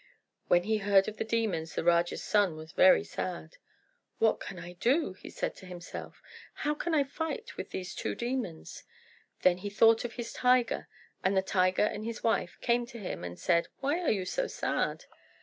When he heard of the demons the Raja's son was very sad. "What can I do?" he said to himself. "How can I fight with these two demons?" Then he thought of his tiger: and the tiger and his wife came to him and said, "Why are you so sad?"